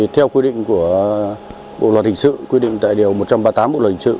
theo quy định của bộ luật hình sự quy định tại điều một trăm ba mươi tám bộ luật hình sự